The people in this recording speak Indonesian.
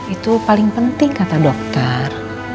itu paling penting kata dokter